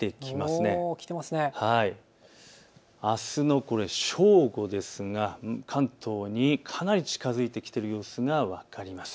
これはあすの正午ですが関東にかなり近づいてきている様子が分かります。